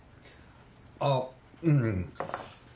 あっうん。